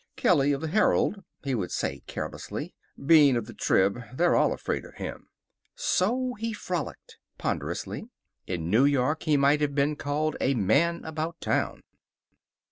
"Kelly, of the Herald," he would say carelessly. "Bean, of the Trib. They're all afraid of him." So he frolicked, ponderously. In New York he might have been called a Man About Town.